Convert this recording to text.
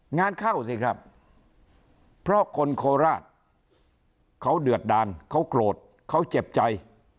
งานเข้าสิครับเพราะคนโคราชเขาเดือดดานเขาโกรธเขาเจ็บใจ